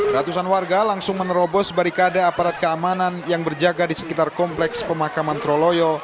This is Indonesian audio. ratusan warga langsung menerobos barikade aparat keamanan yang berjaga di sekitar kompleks pemakaman troloyo